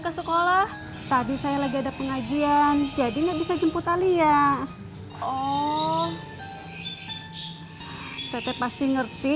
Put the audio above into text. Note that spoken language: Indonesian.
ke sekolah tadi saya lagi ada pengajian jadi nggak bisa jemput alia oh tetep pasti ngerti